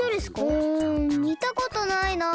うんみたことないなあ。